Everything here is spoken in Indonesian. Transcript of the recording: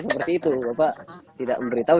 seperti itu bapak tidak memberitahu